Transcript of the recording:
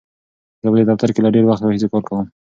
زه په دې دفتر کې له ډېر وخت راهیسې کار کوم.